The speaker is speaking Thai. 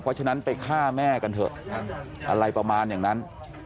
เพราะฉะนั้นไปฆ่าแม่กันเถอะอะไรประมาณอย่างนั้น